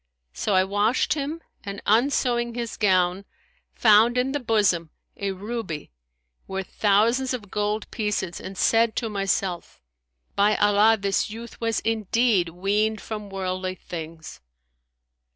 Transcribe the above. So I washed him and, unsewing his gown, found in the bosom a ruby worth thousands of gold pieces and said to myself, By Allah, this youth was indeed weaned from worldly things!'